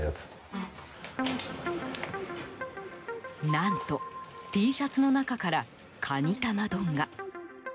何とＴシャツの中からカニ玉丼が。